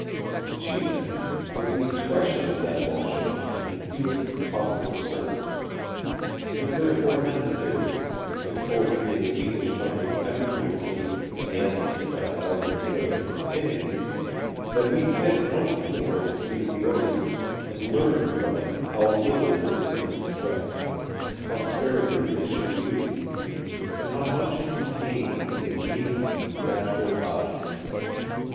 Its achievement was the expression of that emotion in the fewest possible terms. It is therefore necessary, if poetry in the English tongue is ever to attain again to the vitality and strength of its beginnings, that we sit once more at the feet of the Orient and learn from it how little words can express, how sparingly they should be used, and how much is contained in the meanest natural object.